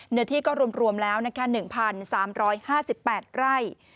ในที่ก็รวมแล้ว๑๓๕๘ไร่